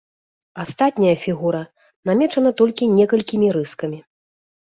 Астатняя фігура намечана толькі некалькімі рыскамі.